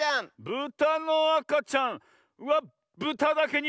ブタのあかちゃんはブタだけにブーブー！